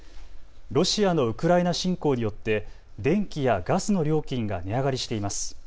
ロシアのウクライナ侵攻によって電気やガスの料金が値上がりしています。